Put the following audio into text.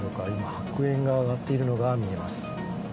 白煙が上がっているのが見えます。